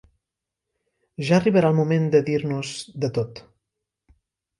Ja arribarà el moment de dir-nos de tot!